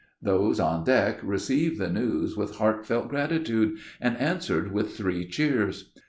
Those on deck received the news with heart felt gratitude, and answered with three cheers.